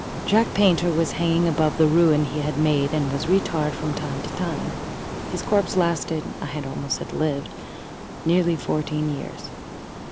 Jack Painter was hanging above the ruin he had made, and was re tarred from time to time. His corpse lasted I had almost said lived nearly fourteen years.